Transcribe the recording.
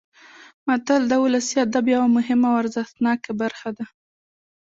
متل د ولسي ادب یوه مهمه او ارزښتناکه برخه ده